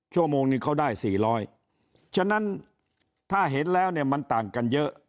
ชั่วโมงนึงเขาได้๔๐๐ฉะนั้นถ้าเห็นแล้วเนี่ยมันต่างกันเยอะ